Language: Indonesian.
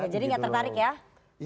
oke jadi gak tertarik ya